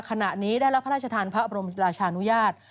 ขณะนี้ได้รับพระราชทานพระบรมราชานุญาต